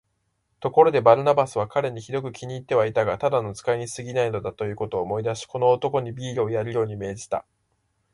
ところで、バルナバスは彼にひどく気に入ってはいたが、ただの使いにすぎないのだ、ということを思い出し、この男にビールをやるように命じた。